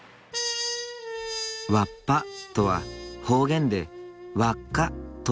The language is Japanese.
わっぱとは方言で輪っかという意味。